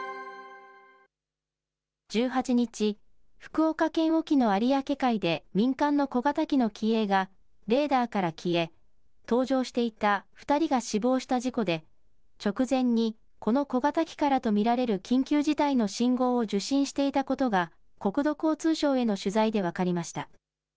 １８日、福岡県沖の有明海で、民間の小型機の機影がレーダーから消え、搭乗していた２人が死亡した事故で、直前に、この小型機からと見られる緊急事態の信号を受信していたことが、国土交通省への取材で分かりました。